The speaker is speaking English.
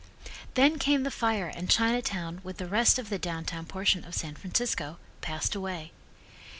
Then came the fire and Chinatown, with the rest of the down town portion of San Francisco, passed away.